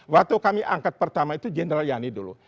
waktu kami angkat pertama itu jenderal yani dulu